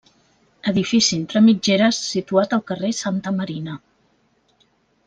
Edifici entre mitgeres situat al carrer Santa Marina.